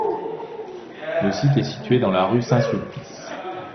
Le site est situé dans la rue Saint-Sulpice.